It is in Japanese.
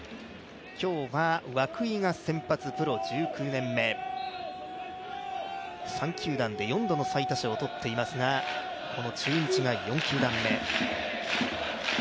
今日は涌井が先発プロ１９年目、３球団で４度の最多勝を取っていますが、この中日が４球団目。